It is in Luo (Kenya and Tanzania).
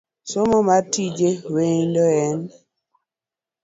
Somo mar tije lwedo en